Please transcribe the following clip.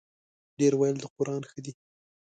ډېر ویل د قران ښه دی.